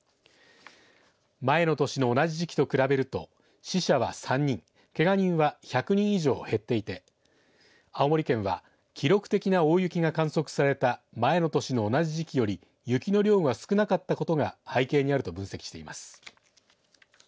前の年の同じ時期と比べると死者は３人、けが人は１００人以上減っていて青森県は記録的な大雪が観測された前の年の同じ時期より雪の量が少なかったことが背景にあると分析しています。